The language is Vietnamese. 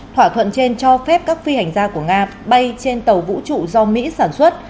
thỏa thuận trên cho phép các phi hành gia của nga bay trên tàu vũ trụ do mỹ sản xuất